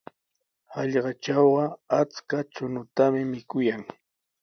Hallqatrawqa achka chuñutami mikuyan.